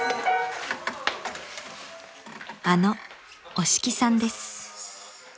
［あの押木さんです］